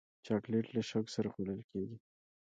چاکلېټ له شوق سره خوړل کېږي.